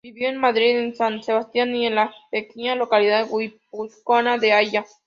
Vivió en Madrid, en San Sebastián y en la pequeña localidad guipuzcoana de Aya.